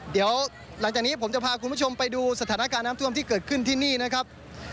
เดี๋ยวหลังจากนี้ผมจะพาคุณผู้ชมไปดูสถานการณ์น้ำท่วมที่เกิดขึ้นที่นี่นะครับ